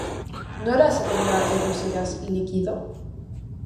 Nola esaten da errusieraz "likido"?